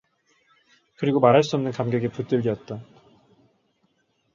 그리고 말할 수 없는 감격에 붙들리었다.